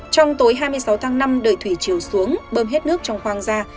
trong tối hai mươi sáu tháng năm đợi thủy chiều xuống bơm hết nước trong khoang ra